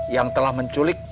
yang telah menculik